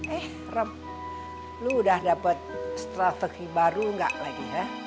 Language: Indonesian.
eh ram lo udah dapet strategi baru nggak lagi ya buat narik lagi si rumana